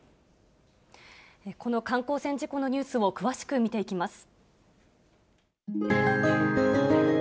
この観光船事故のニュースを詳しく見ていきます。